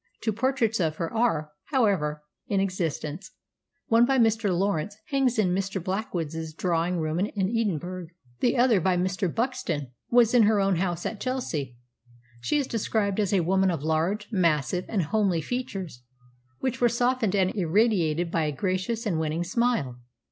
Two portraits of her are, however, in existence. One, by Mr. Lawrence, hangs in Mr. Blackwood's drawing room in Edinburgh; the other, by Mr. Buxton, was in her own house at Chelsea. She is described as a woman of large, massive, and homely features, which were softened and irradiated by a gracious and winning smile.